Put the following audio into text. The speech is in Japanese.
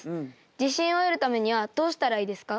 自信を得るためにはどうしたらいいですか？